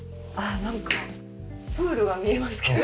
なんか、プールが見えますけど。